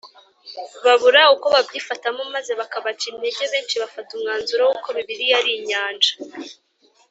babura uko babyifatamo maze bikabaca intege Benshi bafata umwanzuro w uko Bibiliya ari inyanja